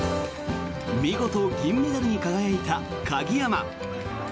見事、銀メダルに輝いた鍵山。